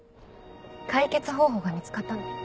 解決方法が見つかったの。